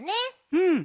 うん。